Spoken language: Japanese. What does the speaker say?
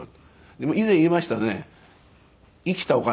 でも以前言いましたね。